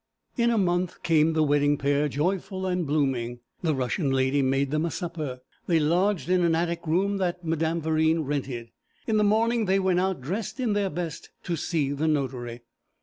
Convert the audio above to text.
In a month came the wedding pair, joyful and blooming. The Russian lady made them a supper. They lodged in an attic room that Madame Verine rented. In the morning they went out, dressed in their best, to see the notary.